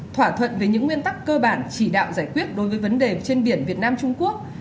thỏa thuận về những nguyên tắc cơ bản chỉ đạo giải quyết đối với vấn đề trên biển việt nam trung quốc